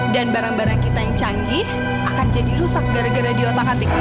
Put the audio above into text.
dan barang barang kita yang canggih akan jadi rusak gara gara di otak hati